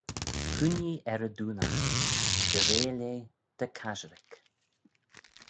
Cooinee er y doonaght, dy reayll eh dy casherick.